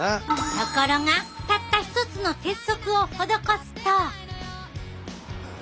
ところがたった一つの鉄則を施すと。